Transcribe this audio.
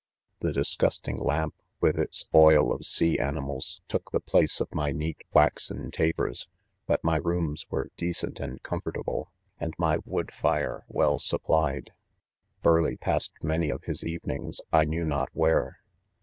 The disgusting lamp, with its oil of sea animals, took the place of my neat waxen tapers ; but my rooms were decent and comfortable, and my wood fire well supplied. " Burleigh passed many of his evenings, I knew not where.